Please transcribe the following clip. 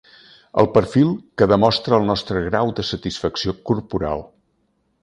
El perfil que demostra el nostre grau de satisfacció corporal.